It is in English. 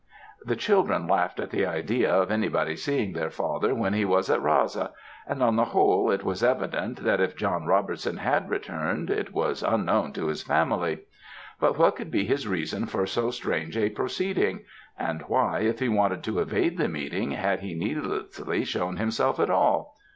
"The children laughed at the idea of anybody seeing their father when he was at Raasa, and on the whole it was evident, that if John Robertson had returned, it was unknown to his family. But what could be his reason for so strange a proceeding, and why, if he wanted to evade the meeting, had he needlessly shown himself at all?